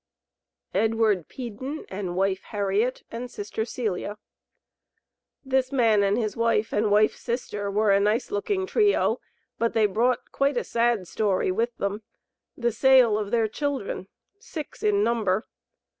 EDWARD PEADEN AND WIFE HARRIET, AND SISTER CELIA. This man and his wife and wife's sister were a nice looking trio, but they brought quite a sad story with them: the sale of their children, six in number.